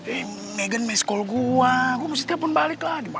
eh megan masih call gua gua mesti telfon balik lah